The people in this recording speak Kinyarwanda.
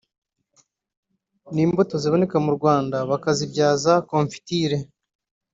n’imbuto ziboneka mu Rwanda bakazibyaza konfitire